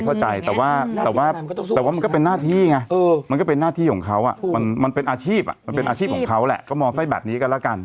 เข้าใจแต่ว่าแต่ว่ามันก็เป็นหน้าที่ไงมันก็เป็นหน้าที่ของเขามันเป็นอาชีพมันเป็นอาชีพของเขาแหละก็มองไส้แบบนี้กันแล้วกัน